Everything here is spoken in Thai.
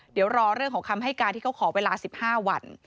เดี๋ยวรอเรื่องของคำให้การที่เขาขอเวลา๑๕วัน